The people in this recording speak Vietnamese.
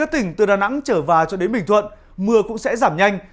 tỉnh từ đà nẵng trở vào cho đến bình thuận mưa cũng sẽ giảm nhanh